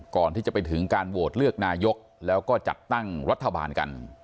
ก่อนที่จะไปถึงการโหวตเลือกนายกแล้วก็จัดตั้งรัฐบาลกัน